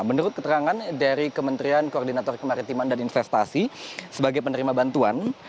menurut keterangan dari kementerian koordinator kemaritiman dan investasi sebagai penerima bantuan